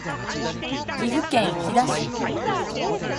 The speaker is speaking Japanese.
岐阜県飛騨市